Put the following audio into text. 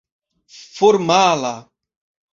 formala